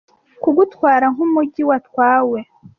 kugutwara nk'umujyi watwawe